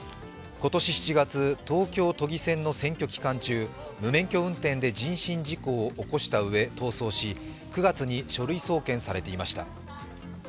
今年７月、東京都議選の選挙期間中無免許運転で人身事故を起こしたうえ逃走し９月に書類送検されていました。